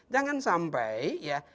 jangan sampai ya